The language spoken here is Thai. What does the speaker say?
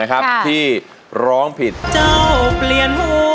ให้ร้องได้